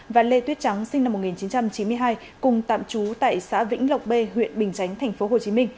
và lê tuyết trắng sinh năm một nghìn chín trăm chín mươi hai cùng tạm trú tại xã vĩnh lộc b huyện bình chánh tp hcm